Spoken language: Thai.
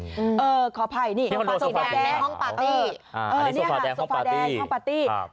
นี่คอนโดสีแดงและห้องปาร์ตี้อ่านี่ค่ะห้องปาร์ตี้ห้องปาร์ตี้ครับ